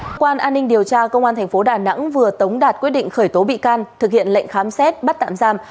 cơ quan an ninh điều tra công an tp đà nẵng vừa tống đạt quyết định khởi tố bị can thực hiện lệnh khám xét bắt tạm giam